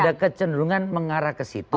ada kecenderungan mengarah ke situ